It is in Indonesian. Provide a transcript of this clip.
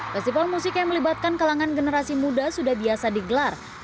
festival musik yang melibatkan kalangan generasi muda sudah biasa digelar